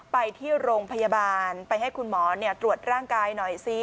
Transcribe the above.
ไปที่โรงพยาบาลไปให้คุณหมอตรวจร่างกายหน่อยซิ